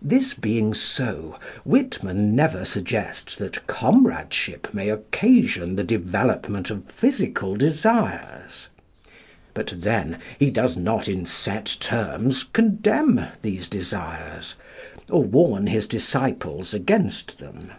This being so, Whitman never suggests that comradeship may occasion the development of physical desires. But then he does not in set terms condemn these desires, or warn his disciples against them.